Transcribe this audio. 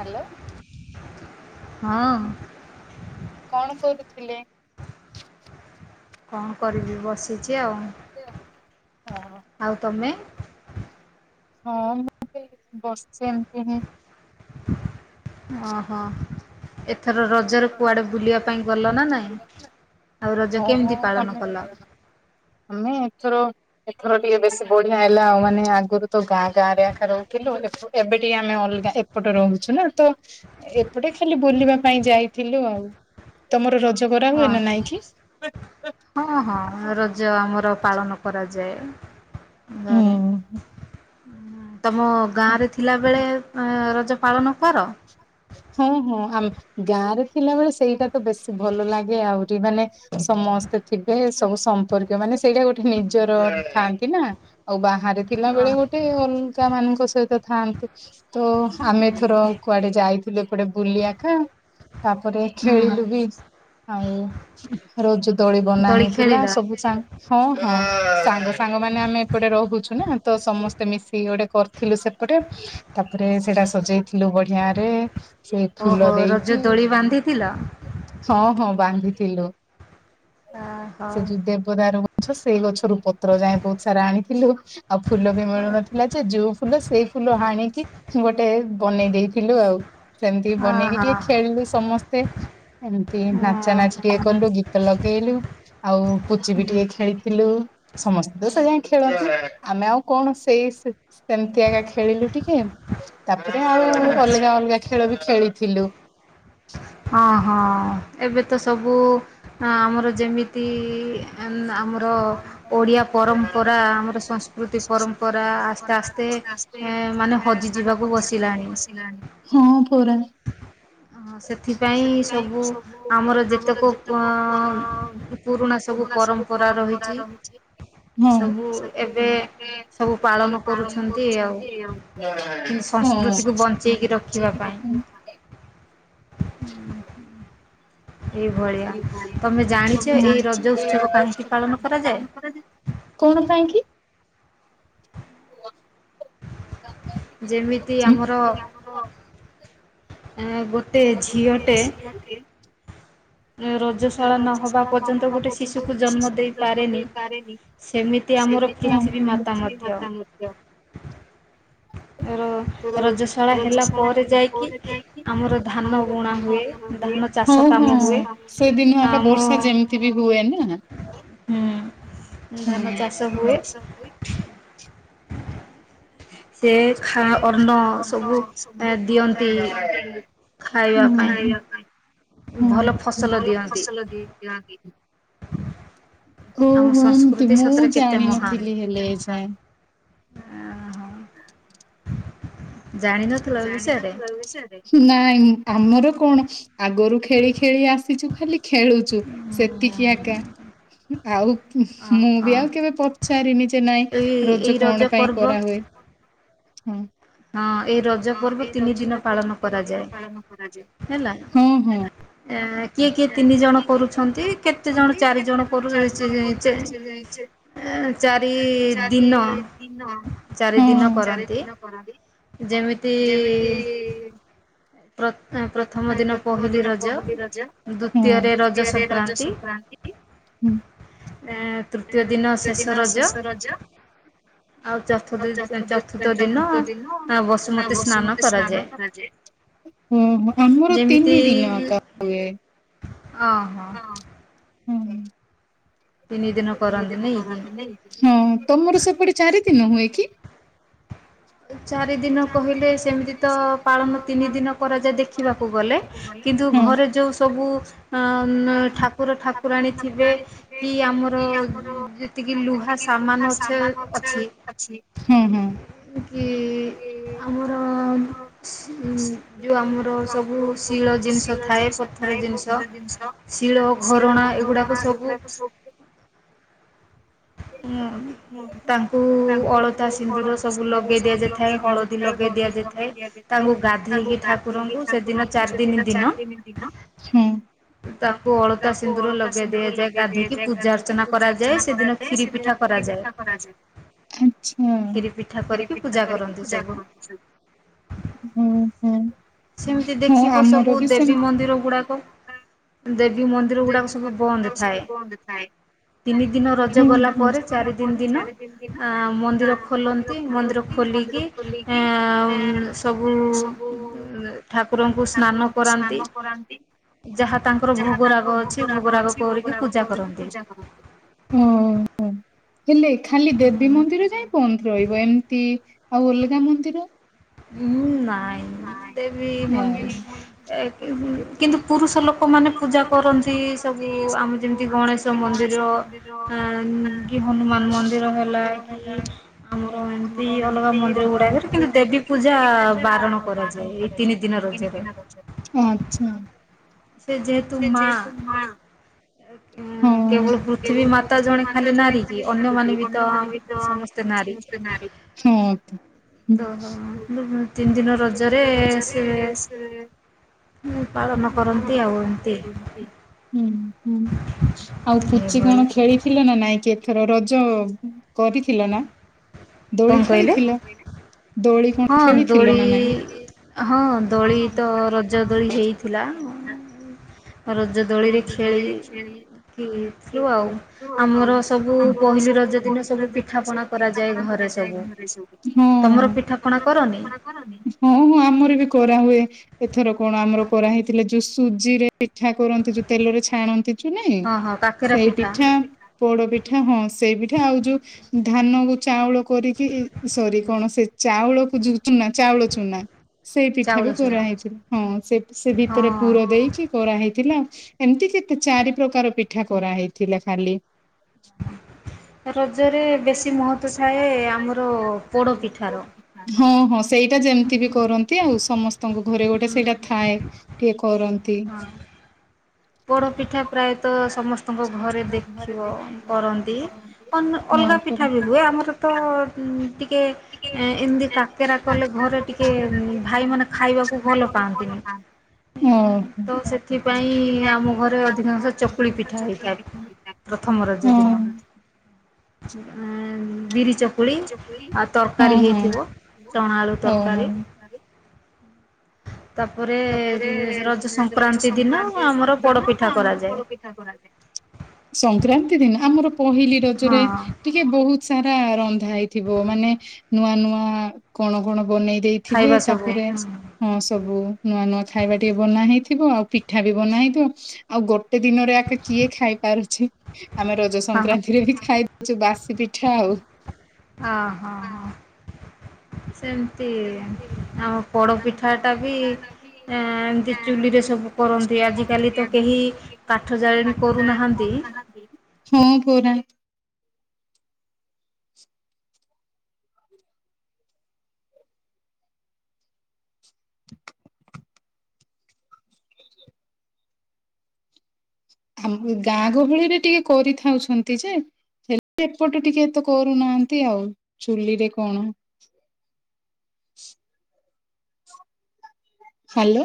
Hello. ହଁ। କଣ କରୁଥିଲେ? କଣ କରିବି ବସିଛି। ଛି ଆଉ ହଁ ହଁ ଆଉ ତମେ? ହଁ ମୁଁ ବି ବସିଛି ଏମତି ହୁଁ। ଓ ହୋ ଏ ଆମେ ଏଥର ରଜରେ ନାଇଁ କୁଆଡେ ବୁଲାବୁଲି ଆଉ ରଜ କରିବାକୁ କେମିତି ଯିବା ପାଳନ କଲ ହଁ ଆମେ ଆମେ ଏଥର ଏଥର ଟିକେ ବେଶୀ ବଢିଆ ହେଲା ଆଉ ମାନେ ଆଗରୁ ତ ଗାଁ ଗାଁ ରେ ଆଖା ରହୁଥିଲୁ ଏବେ ଟିକେ ଆମେ ଅଲଗା ଏପଟେ ରହୁଛୁ ନା ତ ଏପଟେ ଖାଲି ବୁଲିବା ପାଇଁ ଯାଇ ଥିଲୁ ଆଉ ତମର ରଜ କରା ଓ ହୁଏ ନା ନାଇଁ କି? ହୋ ହଁ ହଁ ରଜ ଆମର ପାଳନ କରାଯାଏ ଘରେ ହୁଁ ହୁଁ ହୁଁ। ତମ ଗାଁରେ ଥିଲାବେଳେ ଆ ରଜ ପାଳନ କର ହୁଁ ହୁଁ ଆ ଗାଁ ରେ ଥିଲାବେଳେ ସେଇଟା ତ ବେଶୀ ଭଲ ଲାଗେ ଆହୁରି ମାନେ ସମସ୍ତେ ଥିବେ ସବୁ ସମ୍ପର୍କୀୟ ମାନେ ସେଇଟା ଗୋଟେ ନିଜର ଥାଆନ୍ତି ନା ଆଉ ବାହାରେ ଥିଲା ଅ ବେଳେ ଗୋଟେ ଅଲଗା ମାନଙ୍କ ସହ ସହିତ ଥାଆନ୍ତୁ। ତ ଆମେ କୁଆଡେ ଯାଇଥିଲେ କୁଆଡେ ବୁଲିବାକୁ। ତାପରେ ହୁଁ ହୁଁ ଖେଳିଲୁ ବି ଆଉ ରଜ ଦୋଳି ବନା ହେଇଥିଲା ସବୁ ସାଙ୍ଗ ହଁ ହଁ ସାଙ୍ଗ ସାଙ୍ଗ ମାନେ ଆମେ ଏପଟେ ରହୁଛୁ ନା ତ ସମସ୍ତେ ମିଶିକି ଗୋଟେ କରିଥିଲୁ ସେପଟେ ତାପରେ ସେଇଟା ସଜେଇ ଥିଲୁ ବଢିଆରେ। ସେ ଓ ଫୁଲ ହୋ ରଜ ଦେଇକି ଦୋଳି ବାନ୍ଧିଥିଲ? ହଁ ହଁ ବାନ୍ଧିଥିଲୁ। ଓହୋ ସେ ଯୋଉ ଦେବଦାରୁ ଗ ଛ ସେଇ ଗଛ ରୂପ ପତ୍ର ଯାଏ ବହୁତ ସାରା ଆଣିଥିଲୁ। ଆଉ ଫୁଲ ବି ମିଳୁନଥିଲା ଯେ ଯଉ ଫୁଲ ସ ସେଇ ଫୁଲ ହାଣିକି ଗୋଟେ ବନେଇ ଦେଇେଇଥିଲୁ ଆଉ। ସେମିତି ବନେଇକି ଓହୋ ଟିକେ ଖେଳିଲୁ ସମସ୍ତେ। ଏମିତି ନାଚା ନାଚି ଟିକେ କଲୁ, ଗୀତ ଲଗେଇଲୁ। ଆଉ ପୁଚି ବି ଟିକେ ଖେଳିଥିଲୁ। ସମସ୍ତେ ତ ସେ ଯାଏ ଖେଳନ୍ତି ଆମେ ଆଉ କଣ ସେଇ ସେମିତି ଆକା ଖେଳିଲୁ ଟିକେ। ତାପ ଆଉ ଆଚ୍ଛା ଅଲଗା ଅଲଗା ଖେଳ ବି ଖେଳିଥିଲୁ। ଅ ହଁ ଏବେ ତ ସବୁ ଆମର ଯେମିତି ଆ ଆମର ଓଡ଼ିଆ ପରମ୍ପରା ଆମର ସଂସ୍କୃତି ପରମ୍ପରା ଆସ୍ତେ ଆସ୍ତେ ଏ ମାନେ ହଜିଯିବାକୁ ବସିଲାଣି । ହଁ ପରା। ହ ସେଥିପାଇଁ ସବୁ ଆମର ଯେତେକ ପ ପୁରୁଣା ସବୁ ପରମ୍ ସବୁ ଏବେ ସବୁ ପାଳନ କରୁଛନ୍ତି ଆଉ କିନ୍ତୁ ସଂସ୍କୃତିକୁ ବଞ୍ଚେଇକି ରଖିବା ପାଇଁ ହଁ। [inaudible] ଏଇଭଳିଆ ତମେ ଜାଣିଛ ଏଇ ରଜ ଉତ୍ସବ କାହିଁକି ପାଳନ କରାଯାଏ? କଣ ପାଇଁ କି? ଯେମିତି ଆମର ଯେମିତି ଆମର ଗୋଟେ ଝିଅଟେ ରଜଶାଳା ନହବା ପର୍ଯ୍ୟନ୍ତ ଗୋଟେ ଶିଶୁକୁ ଜନ୍ମ ଦେଇ ପାରେନି, ସେମିତି ଆମର ପୃଥିବୀ ମାତା ମଧ୍ୟ। ର ରଜଶାଳା ହେଲା ପରେ ଯାଇକି ଆମର ଧାନ ବୁଣା ହୁଏ, ଧାନ ହଁ ଚାଷ ହଁ କାମ ହୁଏ। ସେଦିନ ଆକା ଆମ ବର୍ଷା ଯେମିତି ବି ହୁଏ ନା? ହୁଁ ଧାନ ଚାଷ ହୁଏ ସେ ଖା ଅନ୍ନ ସବୁ ଦିଅନ୍ତି ଖାଇବା ପାଇଁ। ହଁ ଭଲ ଫସଲ ଭଲ ଦିଅନ୍ତି ଫସଲ ଦିଏ ଓ ଆମ ହୋ ଏମତି ସଂସ୍କୃତି ମୁଁ ସତରେ କେତେ ମହାନ ଜାଣିନଥିଲି ହେଲେ ଏ ଯାଏ। ଓହୋ ଜାଣିନଥିଲ ଏ ବିଷୟରେ? ନାଇଁ ଆମର କଣ ଆଗରୁ ଖେଳି ଖେଳି ଆସିଚୁ ଖାଲି ଖେଳୁଚୁ ସେତିକି ଆକା। ଆଉ। ହଁ। ମୁଁ ବି ହଁ ଆଉ କେବେ ପଚାରିନି ଯେ ନାଇଁ ଏଇ ଏଇ ରଜ କଣ ପାଇଁ ପର୍ବ କରାହୁଏ? ହୁଁ। ହଁ। ଏଇ ରଜ ପର୍ବ ତିନି ଦିନ ପାଳନ କରାଯାଏ ହେଲା। କିଏ ତିନି ଜଣ କିଏ କିଏ ତିନି କରୁଛନ୍ତି ଜଣ କେତେ ଜଣ କରୁଛନ୍ତି ଚାରି କେତେ ଜଣ କରୁ ଚାରି ଜଣ କରୁ ଚାରି ଚାରି ଦିନ ଦିନ ଦିନ ଚାରି କରନ୍ତି। ଦିନ କରନ୍ତି। ଯେମିତି ପ୍ରଥମ ଦିନ ପହିଲି ରଜ। ହଁ ଦ୍ଵିତୀୟରେ ରଜ ସଂକ୍ରାନ୍ତି ହୁଁ ତୃତୀୟ ଦିନ ଶେଷ ରଜ ଆଉ ଚତୁର୍ଦ ଚତୁର୍ଥ ଦିନ। ବସୁମତୀ ସ୍ନାନ କରାଯାଏ ହ ଆମରଏକା ତିନି ଦିନ ହୁଏ। ଓ ହୋ। ହଁ। କରନ୍ତି ନାଇଁ କି? ହଁ ତମର ସେପଟେ ଚାରି ଦିନ ହୁଏ କି? ଚାରି ଦିନ କହିଲେ ସେମିତି ତ ପାଳନ ତିନି ଦିନ କରାଯାଏ ଦେଖିବାକୁ ଗଲେ କିନ୍ତୁ ହଁ ଘରେ ଯେଉଁ ସବୁ ଠାକୁର ଠାକୁରାଣୀ ଥିବେ କି ଆମର ଯେତିକି ଲୁହା ସାମାନ ଅଛ ଅଛି। ହଁ ହଁ ହୁଁ ଆମର ଉ ଯୋଉ ଆମର ସବୁ ଶିଳ ଜିନିଷ ଥାଏ। ପଥର ଜିନିଷ ଶିଳ ଘରଣା ଏଗୁଡ଼ାକ ସବୁ ହଁ ତାଙ୍କୁ ଅଳତା ସିନ୍ଦୁର ସବୁ ଲଗେଇ [unintelligible] ଦିଆଯାଇଥାଏ। ହଳଦୀ ଦିଆଯାଇଥାଏ ଲଗେଇ ହଳଦୀ ଲଗେଇ ଦିଆଯାଇଥାଏ ଦିଆଯାଇଥାଏ ତାଙ୍କୁ ତାଙ୍କୁ ଗାଧେଇକି ଗାଧେଇକି ଠାକୁରଙ୍କୁ ସେଦିନ ଠାକୁରଙ୍କୁ ଚାରି ଦିନ ସେଦିନ ଚାରି ଦିନ ଦିନ ତାଙ୍କୁ ଅଳତା ତାଙ୍କୁ ସିନ୍ଦୁର ଅଳକା ଲଗେଇ ସିନ୍ଦୁର ଦିଆଯାଏ ଲଗେଇ ଗାଧେଇକି ଦିଆଯାଏ ପୂଜା ଗାଧେଇକି ଅର୍ଚ୍ଚନା ପୂଜା କରାଯାଏ ଅର୍ଚ୍ଚନା ସେଦିନ କରାଯାଏ। କ୍ଷୀରି କେବଳ ପିଠା ଖିରି କରାଯାଏ ପିଠା କରାଯାଏ। ଆଚ୍ଛା। କ୍ଷୀରି ପିଠା ଖିରି କରିକି ପିଠା ପୂଜା କରିକି କରନ୍ତି ସବୁ ଜାଗର [unintelligible] ସେମିତି ହଁ ଦେଖିବ ଆମର ବି ସବୁ ଦେବୀ ଯେ ମନ୍ଦିର ଗୁଡା ସବୁ ବନ୍ଦ ଥାଏ ତିନି ଦିନ ରଜ ରଜ ଗଲା ପରେ ଚାରିଦିନ ଦିନ ମନ୍ଦିର ଖୋଲନ୍ତି। ମନ୍ଦିର ଖୋଲିକି ଆଁ ସବୁ ଠାକୁରଙ୍କୁ ସ୍ନାନ କରାନ୍ତି। ଯାହା ତାଙ୍କର ଭୁଗ ତାଙ୍କର ଭୋଗ ରାଗ ଅଛି। ଭୋଗ ରାଗ କରିକି କରନ୍ତି ପୂଜା କରନ୍ତି। ହଁ। ହେଲେ ଖାଲି ଦେବୀ ମନ୍ଦିର କାଇଁ ବନ୍ଦ ରହିବ। ଏମିତି ଆଉ ଅଲଗା ମନ୍ଦିର? ହୁଁ ନାଇଁ ଦେବୀ ମନ୍ଦି ନାଇଁ। ର କିନ୍ତୁ ପୁରୁଷ ଲୋକମାନେ ପୂଜା କରନ୍ତି। ସବୁ ଆମର ଯେମିତି ଗଣେଶ ମନ୍ଦିର ଆଁ କି ହନୁମାନ ମନ୍ଦିର ହେଲା କି ଆମର ଏମତି ଅଲଗା ମନ୍ଦିର ଗୁଡ଼ାକରେ କିନ୍ତୁ ଦେବୀ ଚା ପୂଜା ବାରଣ କରାଯାଏ ତିନି ରଜରେ ଦିନ ପର୍ଯ୍ୟନ୍ତ। [unintelligible] ହୁଁ। ସେ ଯେହେତୁ ମା ହଁ ପୃଥିବୀ କେବଳ ମାତା ପୃଥିବୀ ଜଣେ ମାତା ଖାଲି ଜଣେ ନାରୀ କି ଖାଲି ନାରୀ ଅନ୍ୟମାନେ କି ବି ତ ଅନ୍ୟମାନେ ବି ତ ସମସ୍ତେ ନାରୀ ସମସ୍ତେ ନାରୀ। ହଁ। ତ ତିନି ଦିନ ରଜରେ ସେ କରନ୍ତି ପାଳନ ଆଉ ଏମିତି କରନ୍ତି। ହୁଁ ଆଉ ପୁଚି ଏଇଭଳି। କଣ ଖେଳିଥିଲ ନା ନାଇଁ? କି ଏଥର ରଜ କରିଥିଲ ନା? ଦୋଳି କଣ କହିଲେ? ଖେଳିଥିଲ ଦୋଳି? କଣ ହଁ ଖେଳିଥିଲ ଦୋଳି ନା ନାଇଁ ହଁ ଦୋଳି ତ ରଜ ଦୋଳି ହେଇଥିଲା ରଜ ଦୋଳିରେ ଖେଳିଥିଲୁ ଆଉ ଆମର ସବୁ ପହିଲି ରଜ ଦିନ ସବୁ ପିଠାପଣା କରାଯାଏ ଘରେ ସବୁ। ହଁ ତମର ପିଠା? ଆପଣା କରନି? ହଁ ହଁ ଆମର ବି କରାହୁଏ। ଏଥର କଣ ଆମର କରାହେଇଥିଲା ଯୋଉ ସୁଜି ରେ ପିଠା କରନ୍ତି ଯୋଉ ତେଲରେ ଛାଣନ୍ତି। ଚୁନାଇଁ ହଁ ହଁ କାକେରା ସେଇ ପିଠା ପୋଡ ପିଠା ହଁ ସେଇ ପିଠା ଆଉ ଯୋଉ ଧାନ କୁ ଚାଉଳ କରିକି ସରି କଣ ସେ ଚାଉଳକୁ ଯୁତୁନା ଚାଉଳକୁ ସୁୁନା। ସେଇ ପିଠା ଚାଉଳ ବି ଚୁନା କରାହେଇଥିଲା। ହଁ ସେ ସେ ଭିତରେ ହଁ। ପୁର ଦେଇକି କରାହେଇଥିଲା। ଏମିତି କେତେ ଚାରି ପ୍ରକାର ପିଠା କରା ହେଇଥିଲା ଖାଲି ରଜରେ ବେଶୀ ମହତ୍ଵ ଥାଏ ଆମର ପୋଡ଼ପିଠାର ହଁ ହଁ ସେଇଟା ଯେମିତି ବି କରନ୍ତି ଆଉ ସମସ୍ତେ ତଙ୍କ ଘରେ ଗୋଟେ ସେଇଟା ଥାଏ ଟିକେ କରନ୍ତି ପୋଡ ପିଠା ପ୍ରାୟତଃ ସମ ତୁଙ୍କ ଘରେ ଦେଖିବ କରନ୍ତି ହଁ ଅଲଗା ପରା ପିଠା ବି ହୁଏ ଆମର ତ ଟେ ଟେ ଏମତି କାକେରା କଲେ ଘରେ ଟିକେ ଭାଇ ମାନ ଖାଇବାକୁ ଭଲ ପାଆନ୍ତିନି ହଁ ତ ସେଥିପାଇ ଆମ ଘରେ ଅଧିକାଂଶ ଚକୁଳି ପିଠା ହେଇଥାଏ ପ୍ରଥମ ରଜ ହଁ ଦିନ ବିରି ଚକୁଳି ଆଉ ତରକାରୀ ହଁ ହଁ ହେଇଥିବ ଚଣା ଆଳୁ ତରକାରୀ ଓହୋ। ତାପରେ ତାପରେ ରଜ ରଜ ସଂକ୍ରାନ୍ତି ଦିନ ସଂକ୍ରାନ୍ତି ଆମର ଦିନ ପୋଡ଼ପିଠା ଆମର କରାଯାଏ। ପୋଡ ପିଠା କରାଯାଏ ସଂକ୍ରକ୍ରାନ୍ତି ଦିନ ଆମର କହିଲି ହଁ ରଜରେ ଟିକେ ବହୁତ ସାରା ରନ୍ଧା ହେଇଥିବ ମାନେ ନୂଆ ନୂଆ କଣ କଣ ବନେଇ ଦେଇଥିବେ ଖାଇବା ସବୁ ତାପରେ ହୁଁ। ହଁ ସବୁ ନୂଆ ନୂଆ ଖାଇବା ଟିକେ ବନା ହେଇଥିବ ଆଉ ପିଠା ବି ବନା ହେଇଥିବ ଆଉ ଗୋଟେ ଦିନରେ ଆଗ କିଏ ଖାଇ ପାରୁଛି ଆମେ ରଜ ହଁ ହଁ ସଂକ୍ରାନ୍ତିରେ ବି ଖାଇଦଉଛୁ ବାସ ପିଠା ଆଉ ହ ହୋ ହଁ ସେମିତି ସେମତି ଆମ ଆ ପିଠା ପୋଡ଼ପିଠାଟା ବି କର ଏମିତି ଆା ଚୁଲିରେ ସବୁ କରନ୍ତି ଆଜିକାଲି ତ କେହି କାଠ ଜାଳେଣୀ କରୁନାହାନ୍ତି। କେଠୁହାନ୍ତିଁ [unintelligible] [unintelligible] ଆମ ଗାଁ ଗହଳିରେ ଟିକେ କରିଥାଉଛନ୍ତି ଯେ ହେଲେ ଏପଟ ଟିକେ ଏ ତେ କରୁନାହାନ୍ତି ଆଉ ଚୁଲିରେ କଣ? ହଲ